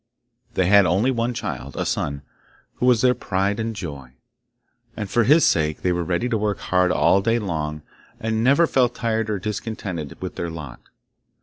They had only one child, a son, who was their pride and joy, and for his sake they were ready to work hard all day long, and never felt tired or discontented with their lot.